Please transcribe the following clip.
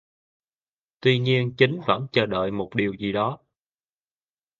Tuy nhiên chính vẫn chờ đợi một điều gì đó